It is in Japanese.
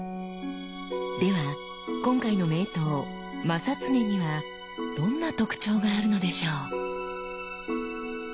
では今回の名刀正恒にはどんな特徴があるのでしょう？